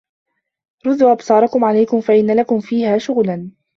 رُدُّوا أَبْصَارَكُمْ عَلَيْكُمْ فَإِنَّ لَكُمْ فِيهَا شُغْلًا